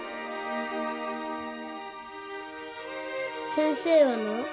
先生はな